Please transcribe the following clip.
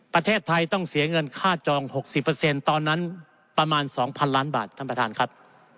ประเทศไทยต้องเสียเงินค่าจองหกสิบเปอร์เซ็นต์ตอนนั้นประมาณสองพันล้านบาทท่านประธานครับ